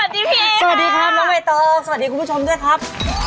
สวัสดีพี่เอครับสวัสดีครับน้องเวมาโตสวัสดีคุณผู้ชมด้วยครับ